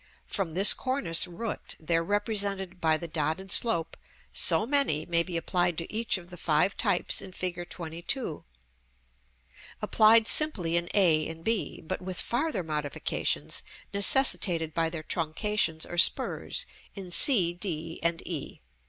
from this cornice root, there represented by the dotted slope, so many may be applied to each of the five types in Fig. XXII., applied simply in a and b, but with farther modifications, necessitated by their truncations or spurs, in c, d, and e.